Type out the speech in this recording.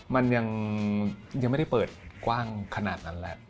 มันยังไม่ได้เปิดกว้างขนาดนั้นแหละ